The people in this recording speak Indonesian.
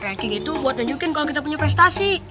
ranking itu buat nunjukin kalau kita punya prestasi